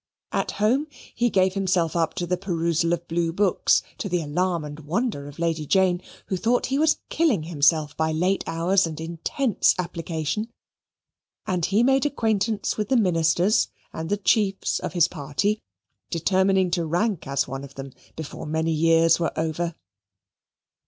At home he gave himself up to the perusal of Blue Books, to the alarm and wonder of Lady Jane, who thought he was killing himself by late hours and intense application. And he made acquaintance with the ministers, and the chiefs of his party, determining to rank as one of them before many years were over.